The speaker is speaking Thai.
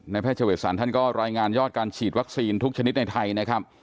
แพทย์เฉวดสารท่านก็รายงานยอดการฉีดวัคซีนทุกชนิดในไทยนะครับ